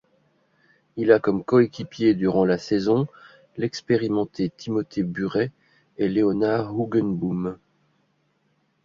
Il a comme co-équipers durant la saison l'expérimenté Timothé Buret et Leonard Hoogenboom.